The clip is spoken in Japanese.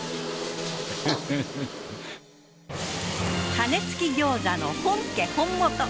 羽根付き餃子の本家本元。